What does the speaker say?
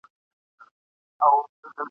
وږی تږی د غار خوله کي غځېدلی !.